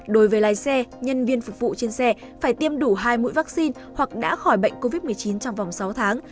đối với lái xe nhân viên phục vụ trên xe phải tiêm đủ hai mũi vaccine hoặc đã khỏi bệnh covid một mươi chín trong vòng sáu tháng